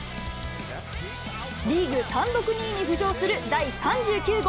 リーグ単独２位に浮上する第３９号。